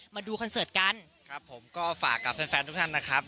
มาดูคอนเสิร์ตกันครับผมก็ฝากกับแฟนแฟนทุกท่านนะครับ